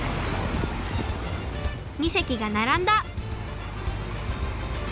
２せきがならんだ！